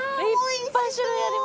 いっぱい種類あります。